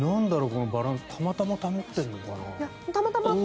このバランスたまたま保ってるのかな。